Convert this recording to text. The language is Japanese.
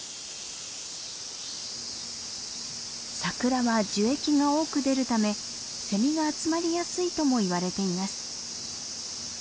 サクラは樹液が多く出るためセミが集まりやすいともいわれています。